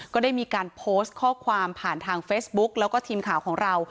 ก็ได้มีการโพสต์ข้อความผ่านทางเฟซบุ๊กแล้วก็ทีมข่าวของเรา